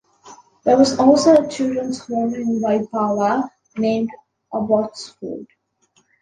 There was also a children's home in Waipawa named Abbotsford.